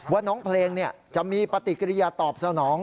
ว่าน้องเพลงจะมีปฏิกิริยาตอบสนอง